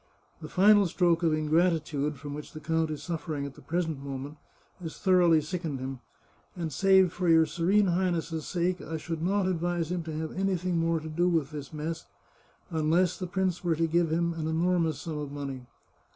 The final stroke of ingratitude from which the count is suffering at the present moment, has thoroughly sickened him ; and save for your Serene Highness's sake, I should not advise him to have anything more to do with this mess, unless the prince were to g^ve him an enor mous sum of money.